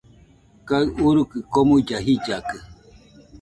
Kaɨ urukɨ komuilla jillakɨ